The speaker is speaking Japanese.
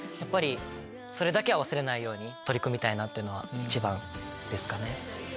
それだけは忘れないように取り組みたいなっていうのは一番ですかね。